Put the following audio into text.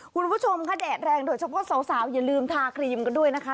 คุณผู้ชมค่ะแดดแรงโดยเฉพาะสาวอย่าลืมทาครีมกันด้วยนะคะ